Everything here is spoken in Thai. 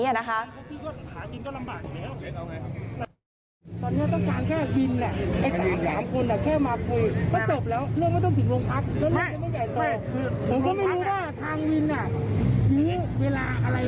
อยู่เวลาอะไรเลยทำให้คนมาเยอะ